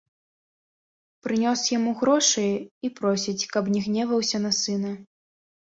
Прынёс яму грошы і просіць, каб не гневаўся на сына.